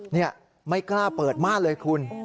นี่ไม่กล้าเปิดม่านเลยคุณ